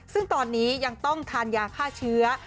ซึ่งตอนนี้ยังต้องทานยาฆ่าเชื้อ